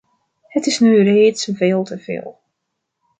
Het is nu reeds veel te veel.